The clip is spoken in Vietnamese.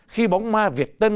khi bóng ma việt tân